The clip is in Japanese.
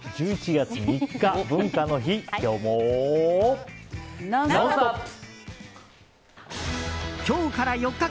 １１月３日、文化の日